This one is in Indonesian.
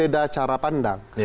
berbeda cara pandang